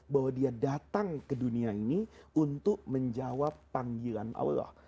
bahwa dia datang ke dunia ini untuk menjawab panggilan allah